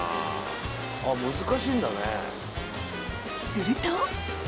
［すると］